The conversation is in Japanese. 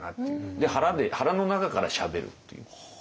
腹の中からしゃべるっていう。